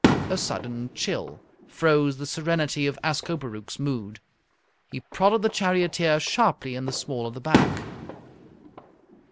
A sudden chill froze the serenity of Ascobaruch's mood. He prodded the charioteer sharply in the small of the back.